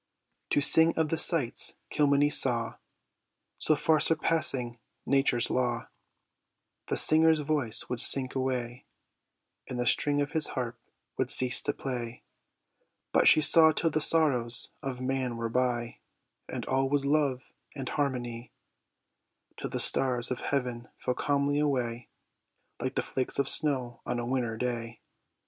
To sing of the sights Kilmeny saw, So far surpassing nature's law, The singer's voice would sink away, And the string of his harp would cease to play. But she saw till the sorrows of man were by, And all was love and harmony; Till the stars of heaven fell calmly away, Like the flakes of snow on a winter day.